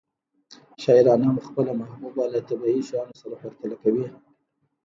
شاعران هم خپله محبوبه له طبیعي شیانو سره پرتله کوي